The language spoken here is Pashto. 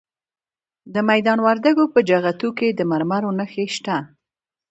د میدان وردګو په جغتو کې د مرمرو نښې شته.